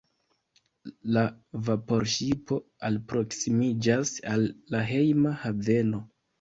La vaporŝipo alproksimiĝas al la hejma haveno.